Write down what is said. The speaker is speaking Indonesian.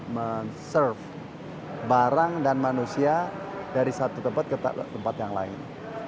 men serve barang dan manusia dari satu tempat ke tempat yang lain